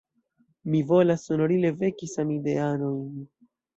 Mi volas sonorile veki samideanojn!